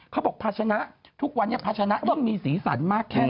เขาบอกพัชนะทุกวันนี้พัชนะยังมีสีสันมากแค่ไหน